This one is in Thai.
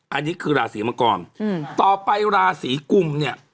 อันนี้คือราศีมังกรต่อไปราศีกุมเนี่ย